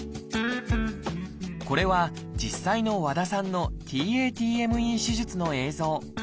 これは実際の和田さんのＴａＴＭＥ手術の映像。